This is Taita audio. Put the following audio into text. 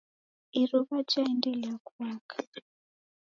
iruw'a jaendelia kuaka.